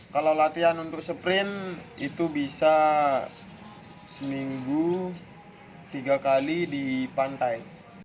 kalau latihan untuk sprint itu bisa seminggu tiga kali di pantai